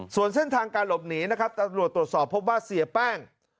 ส่วนเส้นทางการหลบหนีนะครับตำรวจตรวจสอบพบว่าเสียแป้ง